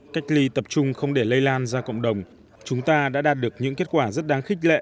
cách ly tập trung không để lây lan ra cộng đồng chúng ta đã đạt được những kết quả rất đáng khích lệ